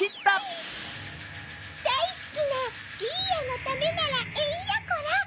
だいすきなじいやのためならえんやこら。